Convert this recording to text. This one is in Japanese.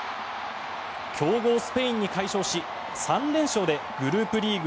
強豪スペインに快勝し３連勝でグループステージ